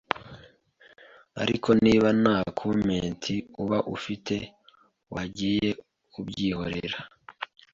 ariko niba nta comment uba ufite wajyiye ubyihorera